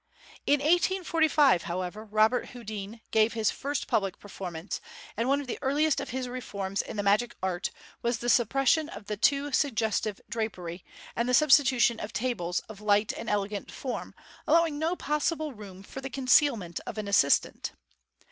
In 1845, however, Robert Houdin gave his first public performance, and one of the earliest of his reforms in the magic art was the suppression of the too sugges tive drapery, and the substitution of tables of light and elegant form, allowing no possible room for the concealment of an assistant.